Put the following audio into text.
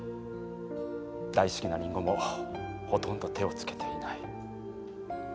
大好きなりんごもほとんど手をつけていない。